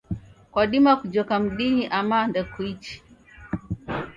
Kwadima kujoka mdinyi ama ndekuichi?